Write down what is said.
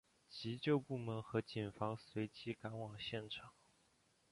急救部门和警方随即赶往现场。